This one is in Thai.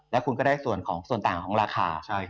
และคุณก็ได้ส่วนต่างของราคา